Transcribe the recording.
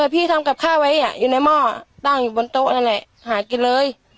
พี่ทำกับข้าวไว้อยู่ในหม้อตั้งอยู่บนโต๊ะนั่นแหละหากินเลย